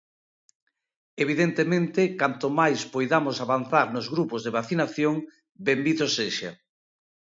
Evidentemente, canto máis poidamos avanzar nos grupos de vacinación, ¡benvido sexa!